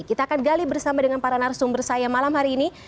kita akan gali bersama dengan para narasumber saya malam hari ini